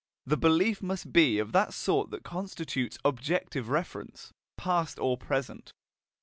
The belief must be of that sort that constitutes objective reference, past or present.